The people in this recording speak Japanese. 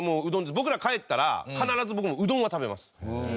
僕ら帰ったら必ず僕もうどんは食べます。